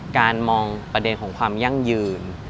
การมองประเด็นของความยั่งยืน